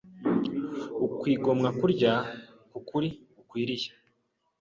Ukwigomwa kurya k’ukuri gukwiriye